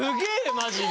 マジで。